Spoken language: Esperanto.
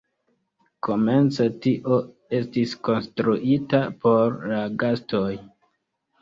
Komence tio estis konstruita por la gastoj.